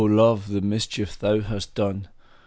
LOVE ! the mischief thou hast done